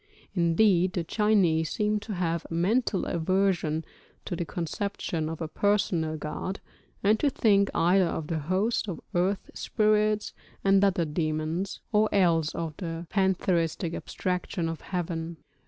Indeed the Chinese seem to have a mental aversion to the conception of a personal god, and to think either of the host of earth spirits and other demons, or else of the pantheistic abstraction of heaven.